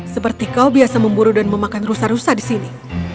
seperti kau biasa memburu dan memakan rusa rusa di sini